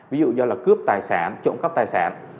ví dụ như là cướp tài sản trộm cắp tài sản